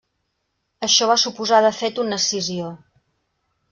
Això va suposar de fet una escissió.